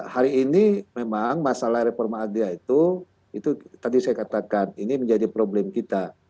hari ini memang masalah reforma agriah itu itu tadi saya katakan ini menjadi problem kita